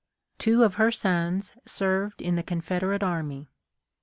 Two of her sons served in the Confederate army.